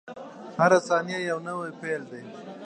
• هره ثانیه یو نوی پیل دی.